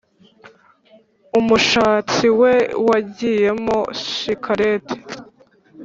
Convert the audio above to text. Umushatsi we wagiyemo shikarete